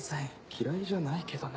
嫌いじゃないけどね。